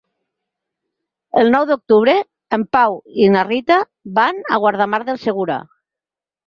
El nou d'octubre en Pau i na Rita van a Guardamar del Segura.